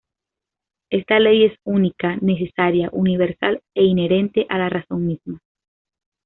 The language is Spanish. Esta ley es única, necesaria, universal e inherente a la razón misma.